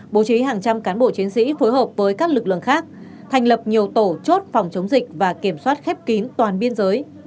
bố trí hàng trăm cán bộ chiến sĩ phối hợp với các lực lượng khác thành lập nhiều tổ chốt phòng chống dịch và kiểm soát khép kín toàn biên giới